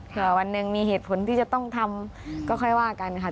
วันหนึ่งมีเหตุผลที่จะต้องทำก็ค่อยว่ากันค่ะ